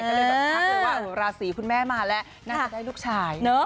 ก็เลยแบบทักเลยว่าราศีคุณแม่มาแล้วน่าจะได้ลูกชาย